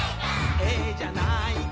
「ええじゃないか」